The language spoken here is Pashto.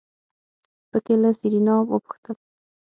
په کې له سېرېنا وپوښتل.